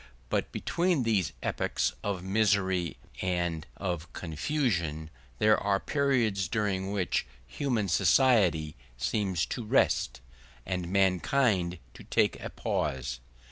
But between these epochs of misery and of confusion there are periods during which human society seems to rest, and mankind to make a pause.